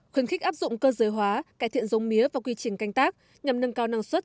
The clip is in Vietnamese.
khuyến khích áp dụng cơ giới hóa cải thiện giống mía và quy trình canh tác nhằm nâng cao năng suất